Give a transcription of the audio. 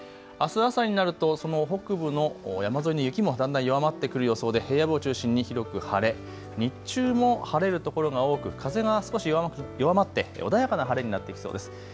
あす朝になるとその北部の山沿いの雪もだんだん弱まってくる予想で平野部を中心に広く晴れ、日中も晴れる所が多く風が少し弱まって穏やかな晴れになってきそうです。